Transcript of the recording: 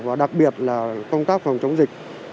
và đặc biệt là công tác phòng chống dịch